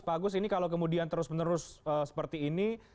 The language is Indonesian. pak agus ini kalau kemudian terus menerus seperti ini